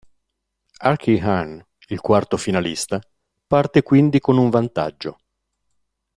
Archie Hahn, il quarto finalista, parte quindi con un vantaggio.